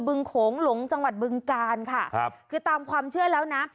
ึงโขงหลงจังหวัดบึงกาลค่ะครับคือตามความเชื่อแล้วนะ